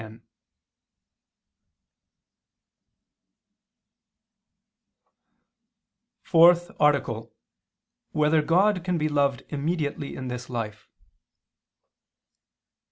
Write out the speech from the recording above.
27, Art. 4] Whether God Can Be Loved Immediately in This Life?